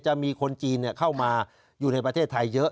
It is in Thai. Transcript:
มีคนจีนเข้ามาอยู่ในประเทศไทยเยอะ